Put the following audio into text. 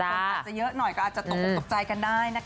คนอาจจะเยอะหน่อยก็อาจจะตกออกตกใจกันได้นะคะ